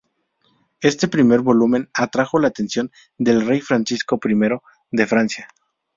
Este primer volumen atrajo la atención del rey Francisco I de Francia.